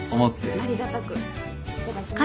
じゃあありがたくいただきます。